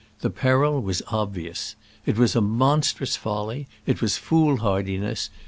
The peril was obvious. It was a monstrous folly. It was foolhardiness.